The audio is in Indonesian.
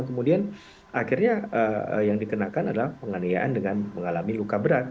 kemudian akhirnya yang dikenakan adalah penganiayaan dengan mengalami luka berat